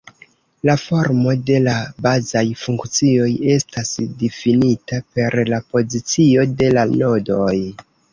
La formo de la bazaj funkcioj estas difinita per la pozicio de la nodoj.